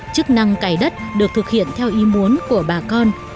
chức năng cày đất được thực hiện theo ý muốn của bà con